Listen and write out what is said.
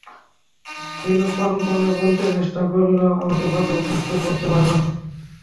নীলু প্রাণপণে বলতে চেষ্টা করল, আমাকে বাঁচাও, কিন্তু বলতে পারল না।